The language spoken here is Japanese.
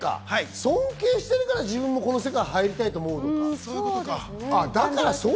尊敬してるから自分もその世界に入りたいと思うのか。